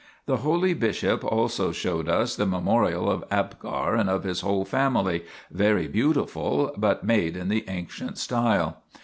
The holy bishop also showed us the memorial of Abgar and of his whole family, very beautiful, but made in the ancient style.